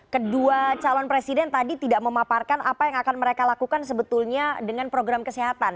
kedua calon presiden tadi tidak memaparkan apa yang akan mereka lakukan sebetulnya dengan program kesehatan